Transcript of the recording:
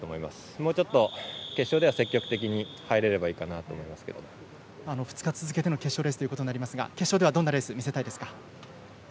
もうちょっと決勝では積極的に入れればいいなと２日続けての決勝レースとなりますが決勝ではどんなレースを見せたいですか？